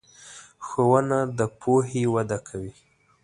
ښوونه د پوهې وده کوي.